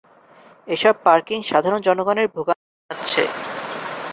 এসব পার্কিং সাধারণ জনগণের ভোগান্তি বাড়াচ্ছে।